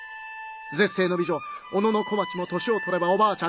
ぜっせいの美女小野小町も年をとればおばあちゃん。